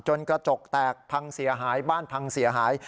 จนกระจกแตกบ้านพังเสียหาย